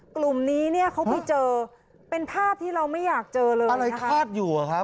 กลุ่มนี้เนี่ยเขาไปเจอเป็นภาพที่เราไม่อยากเจอเลยอะไรคาดอยู่อะครับ